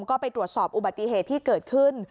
ก็ไปตรวจสอบอุบัติเหตุที่เกิดขึ้น